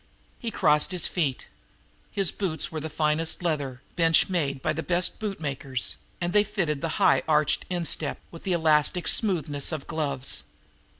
He crossed his feet. His boots were the finest leather, bench made by the best of bootmakers, and they fitted the high arched instep with the elastic smoothness of gloves.